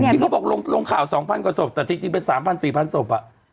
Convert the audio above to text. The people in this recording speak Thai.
ที่เขาบอกลงข่าว๒พันธุ์กว่าศพแต่จริงเป็น๓พันธุ์๔พันธุ์ศพ